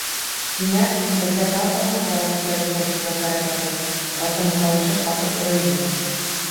Тимәк, беҙгә тағы ла ҡорал күтәреп һуғышырға кәрәк әле, — Васяның тауышы ҡапыл көрәйҙе.